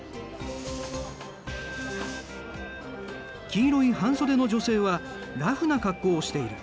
黄色い半袖の女性はラフな格好をしている。